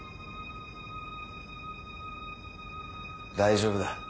大丈夫だ。